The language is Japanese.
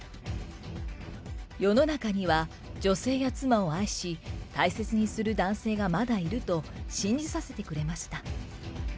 世の中には女性や妻を愛し、大切にする男性がまだいると信じさせてくれました。